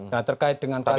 nah terkait dengan kasus